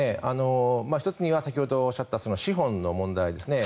１つには先ほどおっしゃった資本の問題ですね。